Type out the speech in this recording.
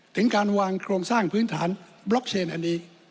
ถึงการวางโครงสร้างพื้นฐานบล็อกเชนอันนี้